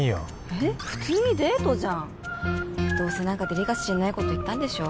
えっ普通にデートじゃんどうせ何かデリカシーないこと言ったんでしょ？